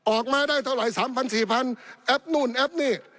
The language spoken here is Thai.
ออกมาได้เท่าไหร่๓๐๐๔๐๐แอปนู่นแอปนี่